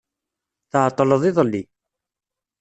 Tεeṭṭleḍ iḍelli.